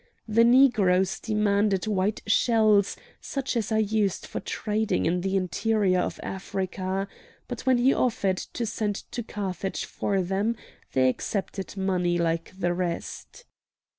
The Negroes demanded white shells such as are used for trading in the interior of Africa, but when he offered to send to Carthage for them they accepted money like the rest.